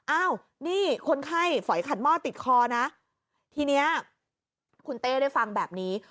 อ้าวนี่คนไข้ฝอยขัดหม้อติดคอนะทีนี้คุณเต้ได้ฟังแบบนี้